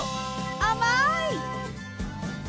甘い！